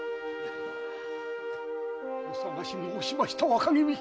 お捜し申しました若君！